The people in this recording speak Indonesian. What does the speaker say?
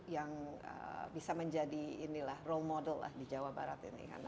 yang bisa menjadi role model di jawa barat ini